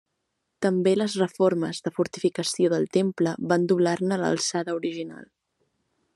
També les reformes de fortificació del temple van doblar-ne l'alçada original.